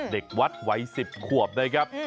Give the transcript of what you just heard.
เด็กวัดวัย๑๐ขวบนะครับ